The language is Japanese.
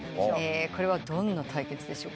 これはどんな対決でしょうか？